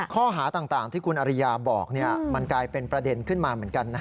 ข้อหาต่างที่คุณอริยาบอกมันกลายเป็นประเด็นขึ้นมาเหมือนกัน